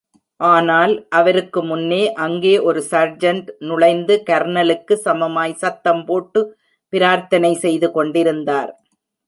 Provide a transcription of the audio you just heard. ஆனால், அவருக்கு முன்னே, அங்கே ஒரு சார்ஜெண்ட் நுழைந்து கர்னலுக்கு சமமாய் சத்தம் போட்டு பிரார்த்தனை செய்து கொண்டிருந்தார்.